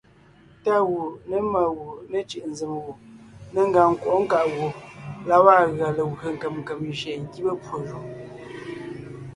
Tá gù, ne má gu, me cʉ̀ʼ nzèm gù, ne ngàŋ nkwɔʼɔ́ nkáʼ gù la gwaa gʉa legwé nkèm nkèm jÿeen nkíbe pwó jú.